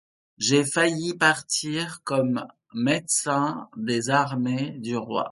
J’ai failli partir comme médecin des armées du roi.